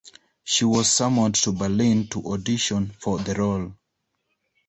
She was summoned to Berlin to audition for the role.